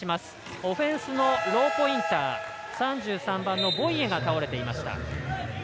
オフェンスのローポインター３３番のボイが倒れていました。